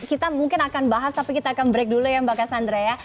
kita mungkin akan bahas tapi kita akan break dulu ya mbak cassandra ya